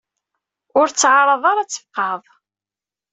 Ur ttɛaraḍ ara ad tfeqɛeḍ.